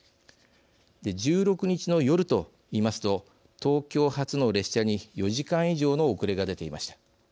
１６日の夜といいますと東京発の列車に４時間以上の遅れが出ていました。